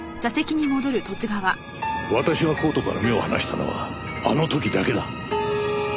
私がコートから目を離したのはあの時だけだ。